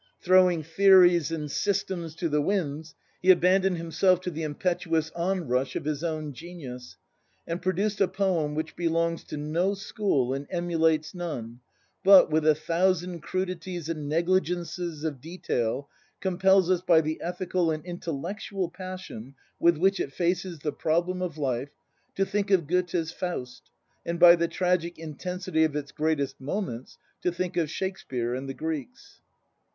Throwing theories and sys tems to the winds, he abandoned himself to the impetuous onrush of his own genius, and produced a poem which be longs to no school and emulates none, but, with a thou sand crudities and negligences of detail, compels us, by the ethical and intellectual passion with which it faces the problem of life to think of Goethe's Faust, and by the tragic intensity of its greatest moments to think of Shake speare and the Greeks.